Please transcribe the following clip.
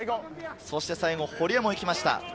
最後は堀江も行きました。